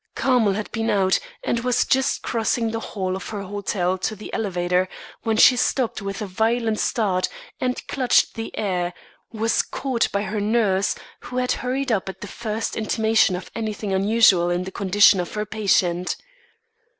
Carmel had been out and was just crossing the hall of her hotel to the elevator, when she stopped with a violent start and clutching the air, was caught by her nurse who had hurried up at the first intimation of anything unusual in the condition of her patient.